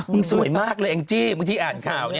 มึงสวยมากเลยไอ้จี้มึงที่อ่านข่าวเนี่ย